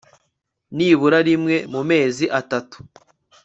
nibura rimwe mu mezi atatu